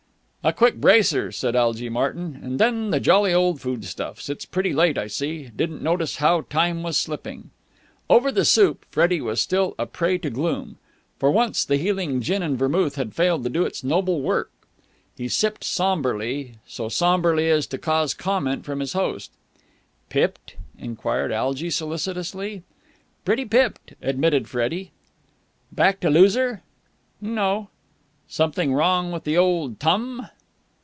"A quick bracer," said Algy Martyn, "and then the jolly old food stuffs. It's pretty late, I see. Didn't notice how time was slipping." Over the soup, Freddie was still a prey to gloom. For once the healing gin and vermouth had failed to do its noble work. He sipped sombrely, so sombrely as to cause comment from his host. "Pipped?" enquired Algy solicitously. "Pretty pipped," admitted Freddie. "Backed a loser?" "No." "Something wrong with the old tum?"